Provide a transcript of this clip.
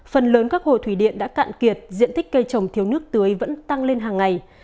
phần lớn các hồ thủy điện đã cạn kiệt diện tích cây trồng thiếu nước tưới vẫn tăng lên hàng ngày